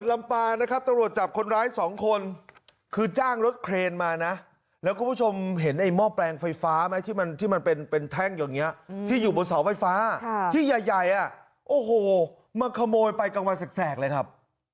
ลำปางนะครับตรวจจับคนร้ายสองคนคือจ้างรถเครนมานะแล้วคุณผู้ชมเห็นไอ้หม้อแปลงไฟฟ้าไหมที่มันเป็นแท่งอย่างนี้ที่อยู่บนเสาไฟฟ้าที่ใหญ่อ่ะโอ้โหมาขโมยไปกลางวันแสกเลยครับ